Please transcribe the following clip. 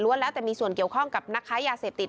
แล้วแต่มีส่วนเกี่ยวข้องกับนักค้ายาเสพติด